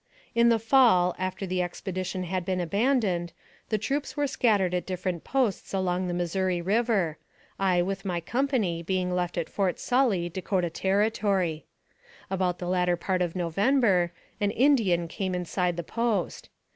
280 NARRATIVE OF CAPTIVITY In the fall, after the expedition had been abandoned, the troops were scattered at different posts along the Missouri Elver, I, with my company, being left at Fort Sully, Dakota Territory. About the latter part of November, an Indian came inside the post.